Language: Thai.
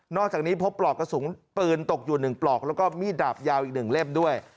อกจากนี้พบปลอกกระสุนปืนตกอยู่๑ปลอกแล้วก็มีดดาบยาวอีก๑เล่มด้วย